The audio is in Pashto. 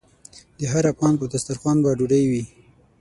د هر افغان په دسترخان به ډوډۍ وي؟